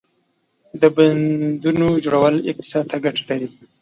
• د بندونو جوړول اقتصاد ته ګټه لري.